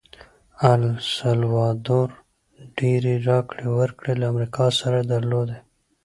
السلوادور ډېرې راکړې ورکړې له امریکا سره درلودې.